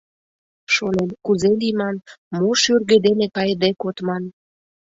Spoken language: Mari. Шонем: «Кузе лийман, мо шӱргӧ дене кайыде кодман?